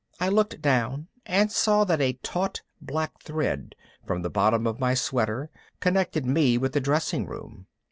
I looked down and saw that a taut black thread from the bottom of my sweater connected me with the dressing room.